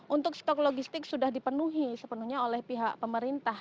untuk stok logistik sudah dipenuhi sepenuhnya oleh pihak pemerintah